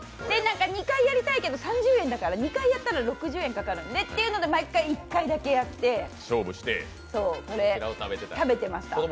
２回やりたいけど３０円だから２回やったら６０円かかってというので毎回１回だけやって食べてました。